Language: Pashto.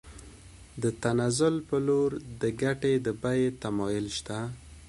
د تنزل په لور د ګټې د بیې تمایل شته